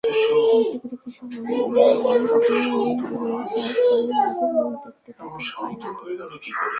এতে করে কৃষকেরা কখনোই বোরো চাষ করে লাভের মুখ দেখতে পান না।